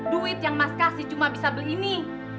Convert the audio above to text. duit yang mas kasih cuma bisa beli ini